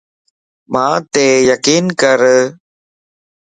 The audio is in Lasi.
مانتَ يقين ڪر